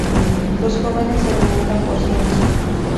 Los jóvenes se alimentan por sí mismos.